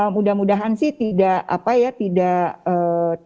mudah mudahan sih tidak apa ya tidak terlalu